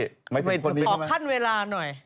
ขอขั้นเวลาหน่อย